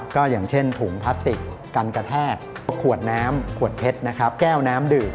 ก็อย่างเช่นถุงพลาสติกกรรกะแทรกขวดน้ำขวดเพ็ดแก้วน้ำดื่ม